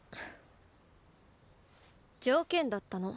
条件だったの。